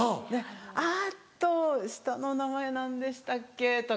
「あっと下の名前何でしたっけ？」とか。